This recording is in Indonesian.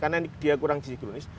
karena dia kurang disikronis